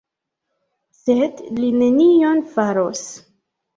Sed li nenion faros.